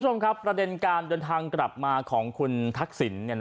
ด้วยความว่าประเด็นการเดินทางกลับมาของคุณทัคสิน